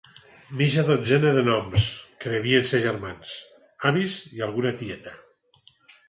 Mitja dotzena de noms, que devien ser germans, avis i alguna tieta.